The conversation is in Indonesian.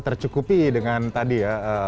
tercukupi dengan tadi ya